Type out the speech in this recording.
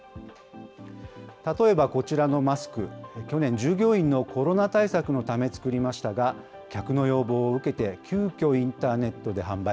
例えばこちらのマスク、去年、従業員のコロナ対策のため作りましたが、客の要望を受けて急きょ、インターネットで販売。